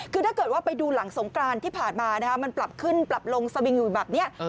คือถ้าเกิดว่าไปดูหลังสงกรานที่ผ่านมามันปรับขึ้นปรับลงสวิงอยู่แบบนี้